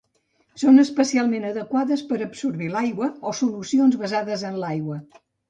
Són especialment adequades per absorbir aigua o solucions basades en l'aigua.